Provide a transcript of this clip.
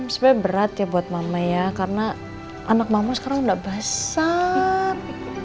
sebenarnya berat ya buat mama ya karena anak mama sekarang tidak basar